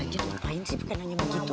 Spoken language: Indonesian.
gitu ngapain sih bukan hanya begitu